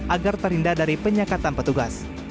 agar terhindar dari penyekatan petugas